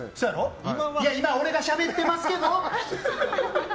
今、俺がしゃべってますけど？